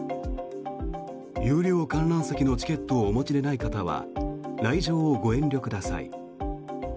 有料観覧席のチケットをお持ちでない方は来場をご遠慮ください。